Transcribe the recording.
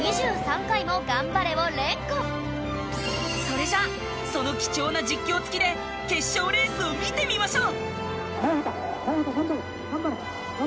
それじゃあその貴重な実況付きで決勝レースを見てみましょう！